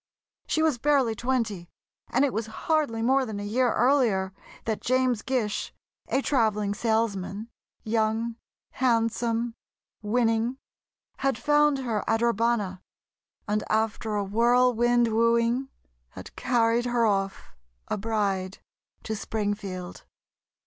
She was barely twenty, and it was hardly more than a year earlier that James Gish, a travelling salesman—young, handsome, winning—had found her at Urbana, and after a whirlwind wooing, had carried her off, a bride, to Springfield.